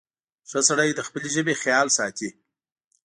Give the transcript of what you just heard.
• ښه سړی د خپلې ژبې خیال ساتي.